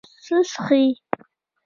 څه څښې؟